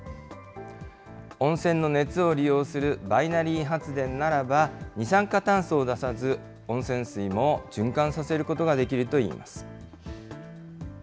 温泉の熱を利用するバイナリー発電ならば、二酸化炭素を出さず、温泉水も循環させることができるといいます。